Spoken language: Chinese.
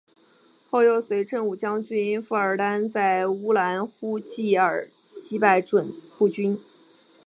后又随振武将军傅尔丹在乌兰呼济尔击败准部军。